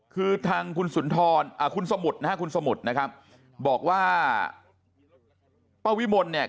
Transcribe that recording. คือทางคุณสมุทรนะครับบอกว่าป้าวิมนต์เนี่ย